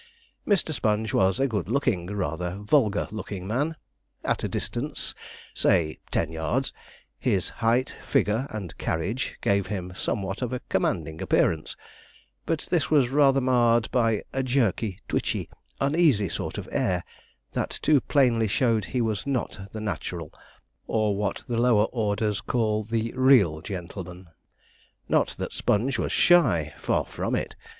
Mr. Sponge was a good looking, rather vulgar looking man. At a distance say ten yards his height, figure, and carriage gave him somewhat of a commanding appearance, but this was rather marred by a jerky, twitchy, uneasy sort of air, that too plainly showed he was not the natural, or what the lower orders call the real gentleman. Not that Sponge was shy. Far from it.